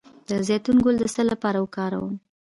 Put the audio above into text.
د زیتون ګل د څه لپاره وکاروم؟